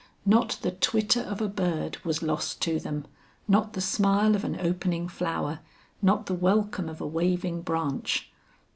Not the twitter of a bird was lost to them, not the smile of an opening flower, not the welcome of a waving branch.